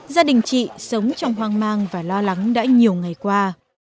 gia đình chị sống trong hoang mang và lo lắng đã nhiều ngày qua